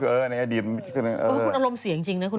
คืออารมณ์เสียอย่างจริงนะคุณ